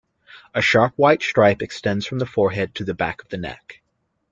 A sharp white stripe extends from the forehead to the back of the neck.